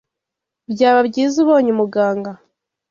[S] Byaba byiza ubonye umuganga